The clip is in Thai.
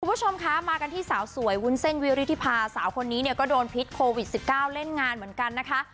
คุณผู้ชมคะมากันที่สาวสวยวุ้นเส้นวิริธิภาสาวคนนี้เนี่ยก็โดนพิษโควิด๑๙เล่นงานเหมือนกันนะคะ